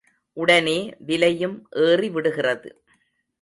உடனே விலையும் ஏறிவிடுகிறது.